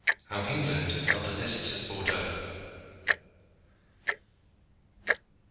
HOW ENGLAND HELD THE LISTS AT BORDEAUX.